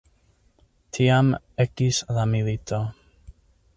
Tiam ekis la milito.